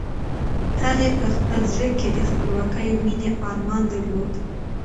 هغې په خپل زړه کې د خپلواکۍ او مېنې ارمان درلود.